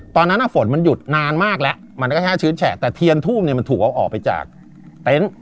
ตอนนั้นฝนมันหยุดนานมากแล้วมันก็แค่ชื้นแฉะแต่เทียนทูบเนี่ยมันถูกเอาออกไปจากเต็นต์